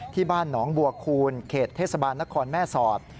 ที่บ้านหนองบัวคูณเขตเทศบาลนครแม่สอด